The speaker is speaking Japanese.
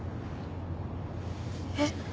えっ。